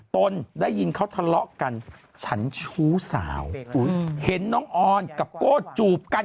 ตนได้ยินเขาทะเลาะกันฉันชู้สาวเห็นน้องออนกับโก้จูบกัน